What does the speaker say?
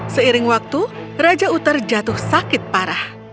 seiring waktu raja uther jatuh sakit parah